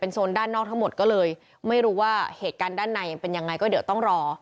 โซนด้านนอกทั้งหมดก็เลยไม่รู้ว่าเหตุการณ์ด้านในยังเป็นยังไงก็เดี๋ยวต้องรอ